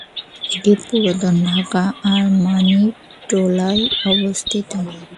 এটি পুরাতন ঢাকার আরমানীটোলায় অবস্থিত।